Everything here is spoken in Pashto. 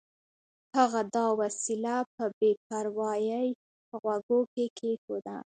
هغه دا وسیله په بې پروایۍ په غوږو کې کېښوده